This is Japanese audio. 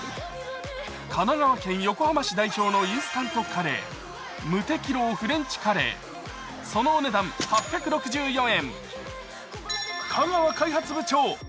神奈川県横浜市代表のインスタントカレー霧笛楼のフレンチカレーそのお値段８６４円。